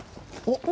おっ。